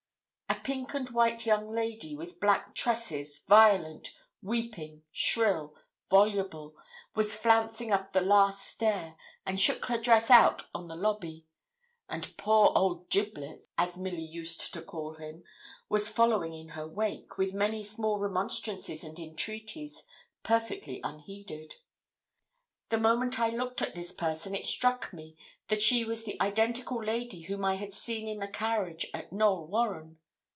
A pink and white young lady, with black tresses, violent, weeping, shrill, voluble, was flouncing up the last stair, and shook her dress out on the lobby; and poor old Giblets, as Milly used to call him, was following in her wake, with many small remonstrances and entreaties, perfectly unheeded. The moment I looked at this person, it struck me that she was the identical lady whom I had seen in the carriage at Knowl Warren.